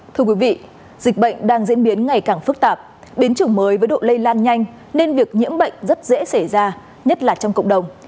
thưa quý vị dịch bệnh đang diễn biến ngày càng phức tạp biến chủng mới với độ lây lan nhanh nên việc nhiễm bệnh rất dễ xảy ra nhất là trong cộng đồng